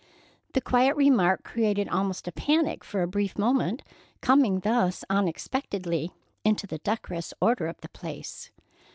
The quiet remark created almost a panic for a brief moment, coming thus unexpectedly into the decorous order of the place.